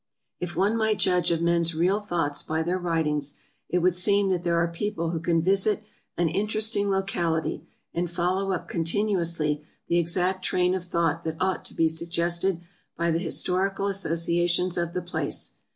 If one might judge of men's real thoughts by their writings, it would seem that there are people who can visit an in teresting locality, and follow up continuously the exact train of thought that ought to be suggested by the historical asso ciations of the place.